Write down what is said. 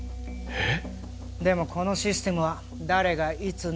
えっ？